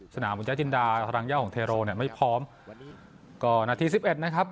สนามมุนเจ้าจินดาธรังเยี่ยวของเทโลเนี่ยไม่พร้อมก็นัดที่สิบเอ็ดนะครับ